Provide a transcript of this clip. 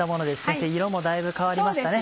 先生色もだいぶ変わりましたね。